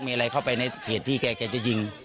มีอะไรเข้าไปในเศรษฐีแกก็จะยิง